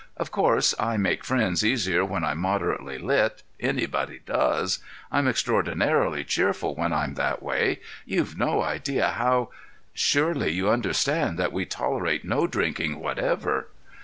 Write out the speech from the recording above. Of course I make friends easier when I'm moderately lit—anybody does. I'm extraordinarily cheerful when I'm that way. You've no idea how—" "Surely you understand that we tolerate no drinking whatever?"